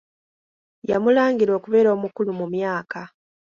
Yamulangira okubeera omukulu mu myaka.